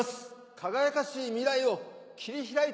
輝かしい未来を切り開いて。